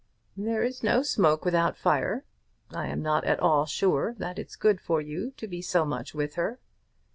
"There is no smoke without fire. I am not at all sure that it's good for you to be so much with her."